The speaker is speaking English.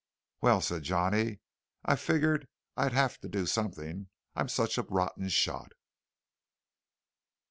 "Well," said Johnny, "I figured I'd have to do something; I'm such a rotten shot."